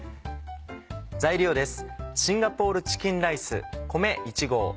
材料です。